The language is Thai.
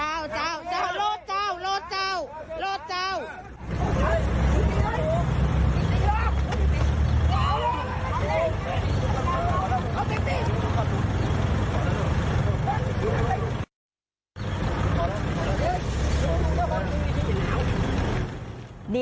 ไม่พูดเถอะเปลี่ยนพูดครับรถถูกห่วงบานฝั่งนี้